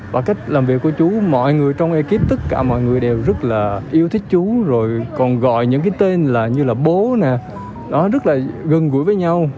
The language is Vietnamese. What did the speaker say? và cách làm việc của chú mọi người trong ekip tất cả mọi người đều rất là yêu thích chú rồi còn gọi những cái tên là như là bố nó rất là gần gũi với nhau